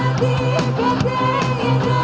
dan di ganteng ini puno